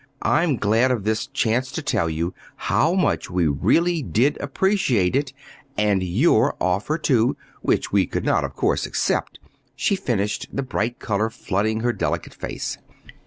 I'm glad of this chance to tell you how much we really did appreciate it and your offer, too, which we could not, of course, accept," she finished, the bright color flooding her delicate face.